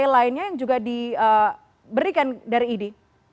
ada update lainnya yang juga diberikan dari idi